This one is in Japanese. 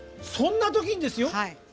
そんな時にですよ。